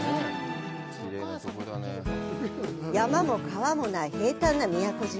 山も川もない平坦な宮古島。